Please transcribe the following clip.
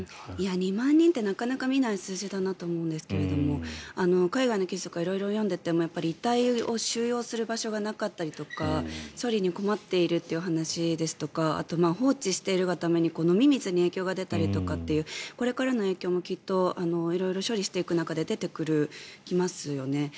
２万人ってなかなか見ない数字だなと思うんですけど海外の記事とか色々読んでいても遺体を収容する場所がなかったり処理に困っているという話ですとか放置しているがために飲み水に影響が出たりというこれからの影響も処理していく中で出てきますよね。